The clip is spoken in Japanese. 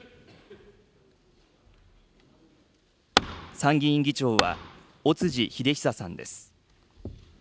参議院議長は、尾辻秀久さんです。